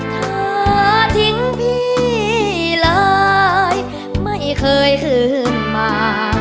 เธอทิ้งพี่หลายไม่เคยคืนมา